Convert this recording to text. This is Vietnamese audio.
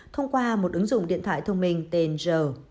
thông qua một ứng dụng điện thoại thông minh tên giờ